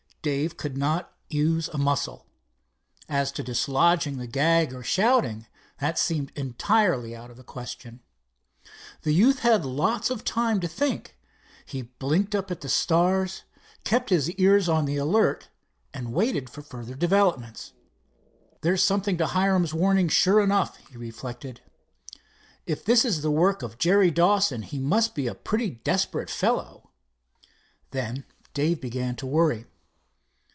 Dave could not use a muscle. As to dislodging the gag or shouting, that seemed entirely out of the question. The youth had lots of time to think. He blinked up at the stars, kept his ears on the alert, and waited for further developments. "There's something to Hiram's warning, sure enough," he reflected. "If this is the work of Jerry Dawson, he must be a pretty desperate fellow." Then Dave began to worry.